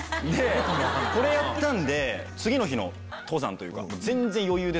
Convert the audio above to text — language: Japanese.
これやったんで次の日の登山というか。